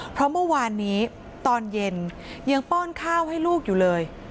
เพราะเมื่อวานนี้ตอนเย็นยังป้อนข้าวให้ลูกอยู่เลย